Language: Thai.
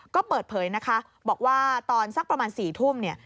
ก็เปิดเผยนะคะบอกว่าตอนสักประมาณ๔ทุ่มเนี่ย